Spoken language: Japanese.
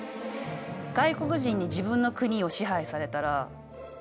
外国人に自分の国を支配されたらどう思うかな？